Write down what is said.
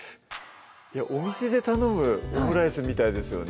お店で頼むオムライスみたいですよね